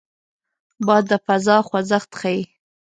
باد د فضا خوځښت ښيي